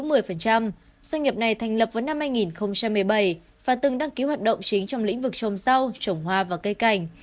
doanh nghiệp này thành lập vào năm hai nghìn một mươi bảy và từng đăng ký hoạt động chính trong lĩnh vực trồng rau trồng hoa và cây cảnh